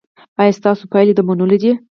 ایا ستاسو پایلې د منلو دي؟